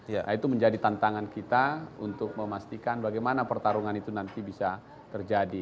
nah itu menjadi tantangan kita untuk memastikan bagaimana pertarungan itu nanti bisa terjadi